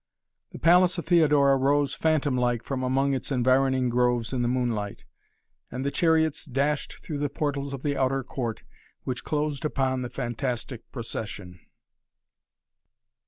The palace of Theodora rose phantom like from among its environing groves in the moonlight, and the chariots dashed through the portals of the outer court, which closed upon the fantastic procession.